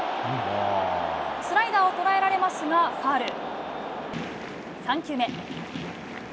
スライダーを捉えられますが、ファウル。